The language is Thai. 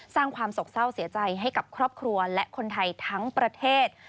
สร้างความสกเศร้าเสียใจให้กับครอบครัวและคนไทยทั้งประเทศ